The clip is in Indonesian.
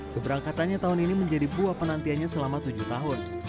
keberangkatannya tahun ini menjadi buah penantiannya selama tujuh tahun